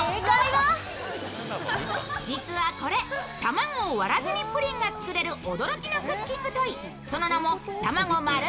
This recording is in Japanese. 実はこれ、卵を割らずにプリンが作れる驚きのクッキングトイ。